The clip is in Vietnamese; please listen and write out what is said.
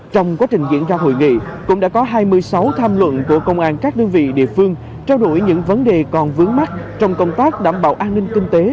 trong quá trình diễn ra hội nghị cũng đã có hai mươi sáu tham luận của công an các đơn vị địa phương trao đổi những vấn đề còn vướng mắt trong công tác đảm bảo an ninh kinh tế